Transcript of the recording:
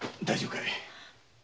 大丈夫かい？